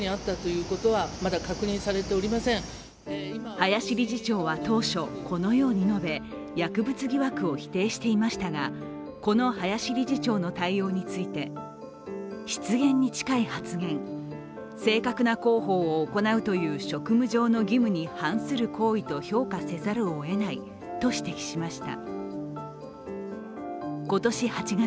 林理事長は当初、このように述べ、薬物疑惑を否定していましたが、この林理事長の対応について失言に近い発言、正確な広報を行うという職務上の義務に反する行為と評価せざるをえないと指摘しました。